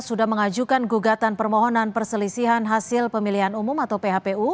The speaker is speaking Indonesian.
sudah mengajukan gugatan permohonan perselisihan hasil pemilihan umum atau phpu